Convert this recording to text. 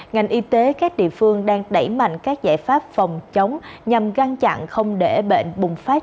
ngành y tế các địa phương đang đẩy mạnh các giải pháp phòng chống nhằm ngăn chặn không để bệnh bùng phát